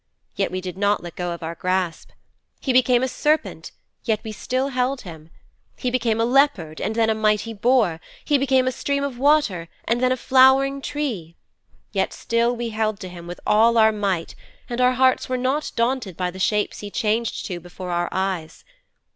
Yet we did not let go of our grasp. He became a serpent, yet we still held him. He became a leopard and then a mighty boar; he became a stream of water and then a flowering tree. Yet still we held to him with all our might and our hearts were not daunted by the shapes he changed to before our eyes.